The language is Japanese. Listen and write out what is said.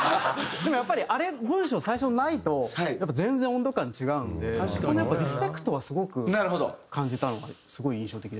でもやっぱりあれ文章最初ないとやっぱり全然温度感違うんでそこのリスペクトはすごく感じたのがすごい印象的でしたね。